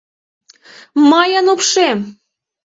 МЫЙЫН УПШЕМ